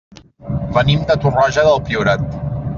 Venim de Torroja del Priorat.